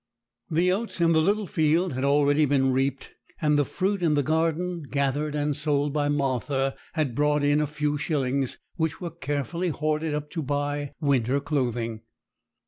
The oats in the little field had already been reaped; and the fruit in the garden, gathered and sold by Martha, had brought in a few shillings, which were carefully hoarded up to buy winter clothing.